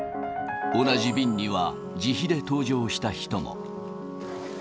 同じ便には自費で搭乗した人も。